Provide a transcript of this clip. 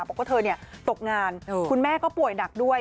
บอกว่าเธอตกงานคุณแม่ก็ป่วยหนักด้วย